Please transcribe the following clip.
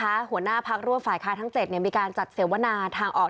หัวหน้าพักร่วมฝ่ายค้าทั้ง๗มีการจัดเสวนาทางออก